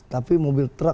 tapi mobil truk